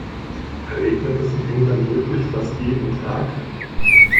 Regnet es in England wirklich fast jeden Tag?